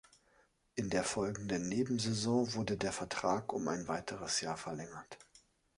In der folgenden Nebensaison wurde der Vertrag um ein weiteres Jahr verlängert.